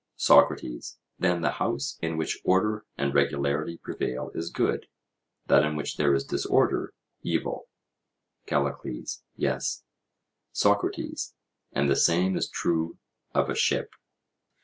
SOCRATES: Then the house in which order and regularity prevail is good; that in which there is disorder, evil? CALLICLES: Yes. SOCRATES: And the same is true of a ship?